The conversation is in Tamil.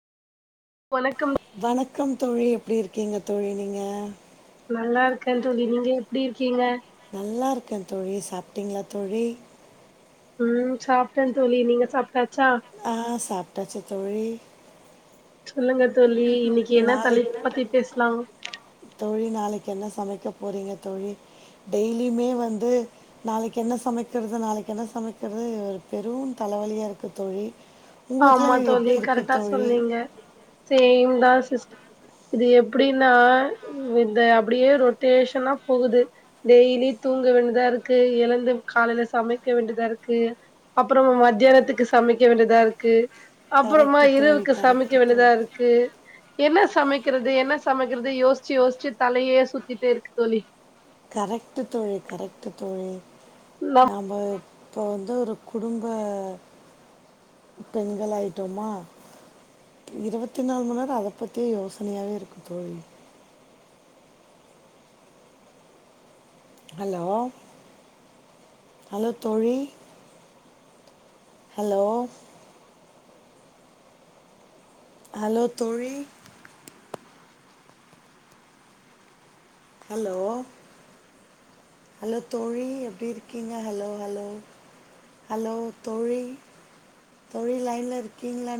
வணக்கம் வணக்கம் தோழி எப்படி இருக்கீங்க தோழி நீங்க நல்லா இருக்கேன் தோழி நீங்க எப்டி இருக்கீங்க நல்லா இருக்கேன் தோழி சாப்பிட்டீங்களா தோழி உம் சாப்பிட்டேன் தோழி நீங்க சா ஆஹ் சாப்ட்டாச்சு தோழி சொல்லுங்க தோழி இன்னைக்கு என்ன நாளைக்கு தலைப்பு பத்தி பேசலாம் தோழி நாளைக்கு என்ன சமைக்க போறீங்க தோழி டெய்லியுமே வந்து நாளைக்கு என்ன சமைக்கிறது நாளை என்ன சமைக்கிறது ஒரு பெரும் தலவழியாக இருக்கு தோழி ஆமா உங்களுக்குலாம் தோழி எப்படி இருக்குது கரெக்டா தோழி சொல்ரீங்க சேம் தான் சிஸ்டர் இது எப்படின்னா இந்த அப்படியே ரொட்டேஷனா போகுது டெய்லி தூங்க வேண்டியதா இருக்கு எழுந்து காலையில சமைக்க வேண்டியதா இருக்கு அப்புறம் மத்தியானத்துக்கு சமை சமைக்க வேண்டியதா இருக்கு அப்புறமா கரெக்டு தோழி இரவுக்கு சமைக்க கரெக்டு வேண்டியதா தோழி இருக்கு என்ன சமைக்கிறது என்ன சமைக்கிறது யோசிச்சு யோசிச்சு தலையே சுத்திட்டே இருக்கு தோழி கரைக்ட்டு தோழி கரைக்ட்டு தோழி நா நாம இப்போ வந்து ஒரு குடும்ப பெண்கள் ஆயிட்டோமா இருபத்தி நாலு மணிநேரம் அத பத்தியே யோசனையாவே இருக்கு தோழி ஹலோ ஹலோ தோழி ஹலோ ஹலோ தோழி ஹலோ ஹலோ தோழி எப்டி இருக்கீங்க ஹலோ ஹலோ ஹலோ தோழி தோழி லைன்ல இருக்கீங்களா